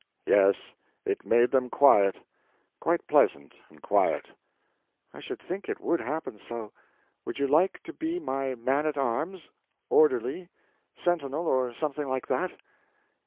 "Yes; it made them quiet—quite pleasant and quiet." "I should think it would happen so. Would you like to be my man at arms?—orderly, sentinel, or something like that?"